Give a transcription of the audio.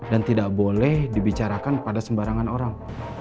dan tidak boleh dibicarakan pada sembarangan orang